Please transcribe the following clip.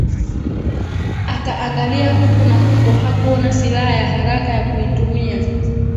Akaangalia huku na huko hakuona silaha ya haraka ya kuitumia